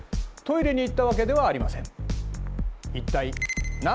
トイレに行ったわけではありません。